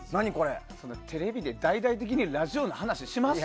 テレビで大々的にラジオの話します？